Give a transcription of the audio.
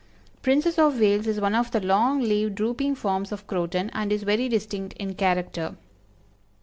Princess of Wales is one of the long leaved drooping forms of Croton, and is very distinct in character.